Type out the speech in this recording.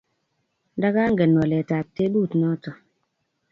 ndagangen waletab tebut noto